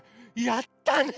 やったね！